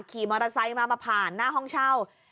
ขี่มอเตอร์ไซค์มามาผ่านหน้าห้องเช่า